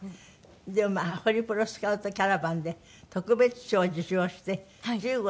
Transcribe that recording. でもまあホリプロスカウトキャラバンで特別賞を受賞して１５歳で芸能界入り。